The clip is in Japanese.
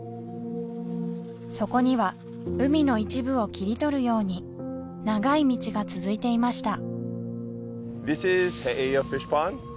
そこには海の一部を切り取るように長い道が続いていました